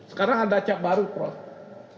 sekarang ada cap baru prof